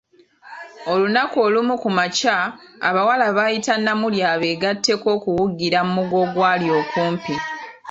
Olunaku olumu ku makya, abawala bayita Namuli abegatteko okuwugira mugga ogwali okumpi.